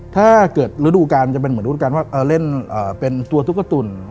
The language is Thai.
ถ้าเกิดฤดูการมันจะเป็นเหมือนฤดูการว่าเล่นเป็นตัวตุ๊กตุ่น